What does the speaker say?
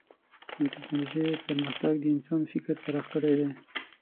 د ټکنالوجۍ پرمختګ د انسان فکر پراخ کړی دی.